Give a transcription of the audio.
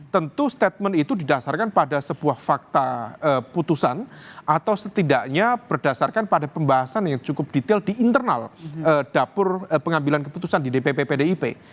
tentu statement itu didasarkan pada sebuah fakta putusan atau setidaknya berdasarkan pada pembahasan yang cukup detail di internal dapur pengambilan keputusan di dpp pdip